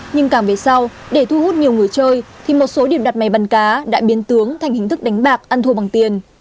nhưng càng về sau để thu hút nhiều người chơi thì một số điểm đặt máy bắn cá đã biến tướng thành hình thức đánh bạc ăn thua bằng tiền